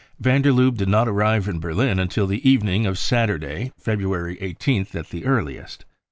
Van der Lubbe did not arrive in Berlin until the evening of Saturday, February ,18th, at the earliest.